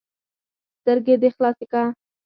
ـ سترګه دې خلاصه که.